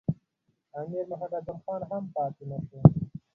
امیر محمد اعظم خان هم پاته نه شو.